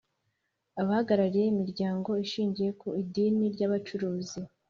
abahagarariye imiryango ishingiye ku idini n’abacuruzi;